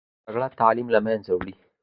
جګړه تعلیم له منځه وړي